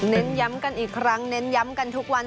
เน้นย้ำกันอีกครั้งเน้นย้ำกันทุกวัน